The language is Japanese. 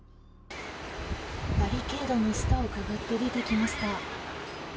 バリケードの下をくぐって出てきました。